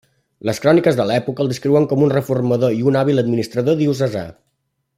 Les cròniques de l'època el descriuen com un reformador i un hàbil administrador diocesà.